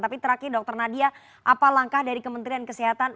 tapi terakhir dokter nadia apa langkah dari kementerian kesehatan